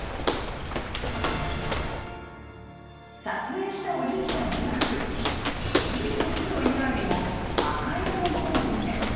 ［撮影したおじいさんいわく銀と黒以外にも赤色のものも見え